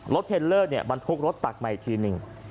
รถเทลเลอร์มันพลุกรถตักมาอีกทีหนึ่ง